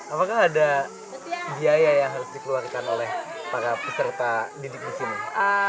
apakah ada biaya yang harus dikeluarkan oleh para peserta didik di sini